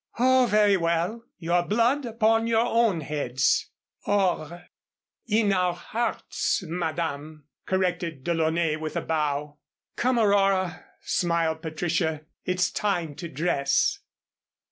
"Oh, very well, your blood upon your own heads." "Or in our hearts, Madame," corrected DeLaunay, with a bow. "Come, Aurora," smiled Patricia, "it's time to dress."